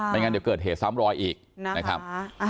งั้นเดี๋ยวเกิดเหตุซ้ำรอยอีกนะครับ